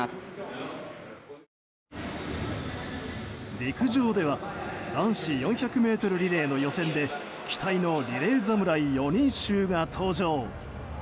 陸上では男子４００ｍリレーの予選で期待のリレー侍４人衆が登場。